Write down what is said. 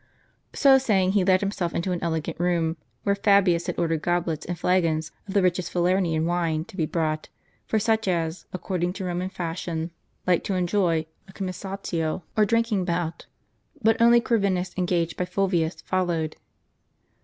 So saying, he led him into an elegant room, where Fabius had ordered goblets and flagons of the richest Falernian wine to be brought, for such as, according to Roman fashion, liked to enjoy a commissatio, or drinking bout. But only Corvinus, engaged by Fulvius, followed.